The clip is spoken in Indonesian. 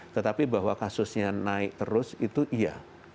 tetapi bahwa kasusnya naik terus itu iya